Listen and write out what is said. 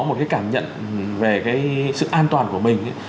từng mỗi người dân từng mỗi gia đình phải có một cái cảm nhận về cái sự an toàn của mình ấy